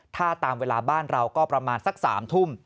ถ้าตามเวลาบ้านเราก็ประมาณสัก๓ทุ่ม